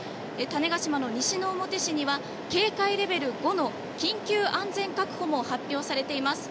種子島の西之表市には警戒レベル５の緊急安全確保も発表されています。